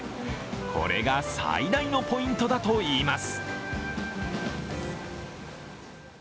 これが最大のポイントだといいます。